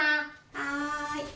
はい。